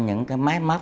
những cái máy móc